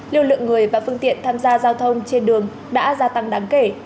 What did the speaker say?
lưu lượng người và phương tiện tham gia giao thông trên đường đã gia tăng đáng kể